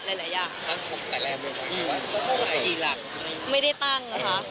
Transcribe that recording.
พี่ช้อปว่าอย่างไหนก็อยากเอาไหน